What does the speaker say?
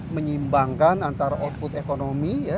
menyimbangkan antara output ekonomi